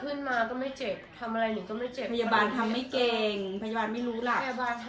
ขึ้นมาก็ไม่เจ็บทำอะไรดีก็ไม่เจ็บมียะบาททำไม่เจ็บไม่รู้หลัก